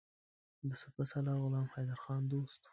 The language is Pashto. د سپه سالار غلام حیدرخان دوست وو.